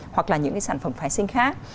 hoặc là những cái sản phẩm phái sinh khác